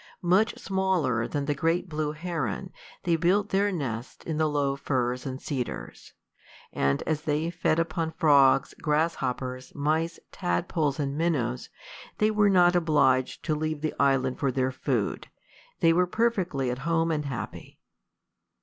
Much smaller than the great blue heron, they built their nests in the low firs and cedars; and as they fed upon frogs, grasshoppers, mice, tadpoles, and minnows, they were not obliged to leave the island for their food: they were perfectly at home and happy.